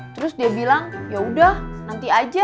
terus dia bilang yaudah nanti aja